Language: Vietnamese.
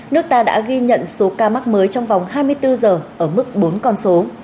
nước ta đã ghi nhận số ca mắc mới trong vòng hai mươi bốn giờ ở mức bốn con số